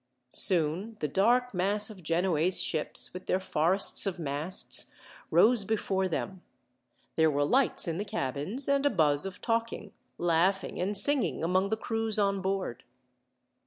Soon the dark mass of Genoese ships, with their forests of masts, rose before them. There were lights in the cabins, and a buzz of talking, laughing, and singing among the crews on board.